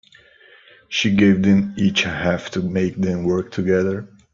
She gave them each a half to make them work together.